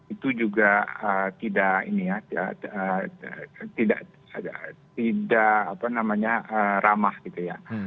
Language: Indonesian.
itu juga tidak ini ya tidak tidak tidak apa namanya ramah gitu ya